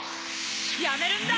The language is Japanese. やめるんだ！